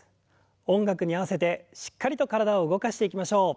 音楽に合わせてしっかりと体を動かしていきましょう。